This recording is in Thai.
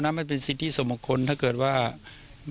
แล้วอันนี้ก็เปิดแล้ว